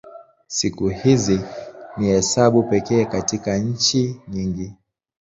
Siku hizi ni hesabu pekee katika nchi nyingi.